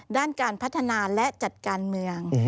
ด้านการพัฒนาและจัดการเมือง